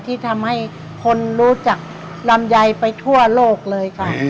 ที่ทำให้คนรู้จักลำไยไปทั่วโลกเลยค่ะ